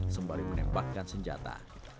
sembari menembakkan senjata